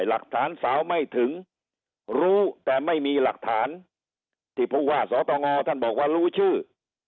หลักฐานสาวไม่ถึงรู้แต่ไม่มีหลักฐานที่ผู้ว่าสตงท่านบอกว่ารู้ชื่อ